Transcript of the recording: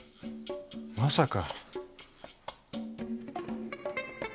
まさか。